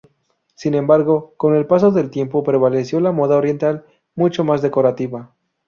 Sin embargo, con el paso del tiempo prevaleció la moda oriental, mucho más decorativa.